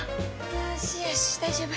よしよし、大丈夫？